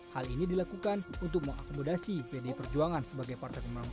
hal ini dilakukan untuk mengakomodasi pdi perjuangan sebagai partai pemenang